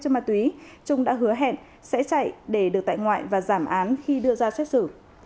cho ma túy trung đã hứa hẹn sẽ chạy để được tại ngoại và giảm án khi đưa ra xét xử